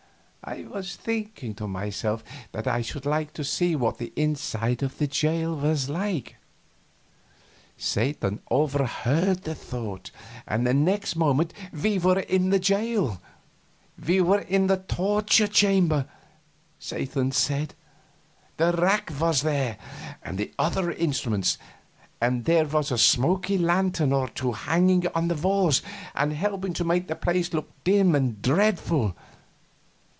I was thinking to myself that I should like to see what the inside of the jail was like; Satan overheard the thought, and the next moment we were in the jail. We were in the torture chamber, Satan said. The rack was there, and the other instruments, and there was a smoky lantern or two hanging on the walls and helping to make the place look dim and dreadful.